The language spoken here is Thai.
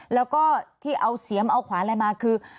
แล้วก็ที่เอาเสียมเอาขวานอะไรมาคือ